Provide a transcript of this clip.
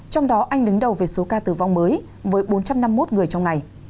trong đó anh đứng đầu về số ca tử vong mới với bốn trăm năm mươi một người trong ngày